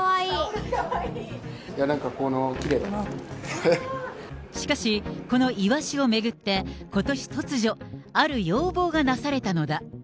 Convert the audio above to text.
なんかこの、しかし、このイワシを巡って、ことし、突如、ある要望がなされたのだ。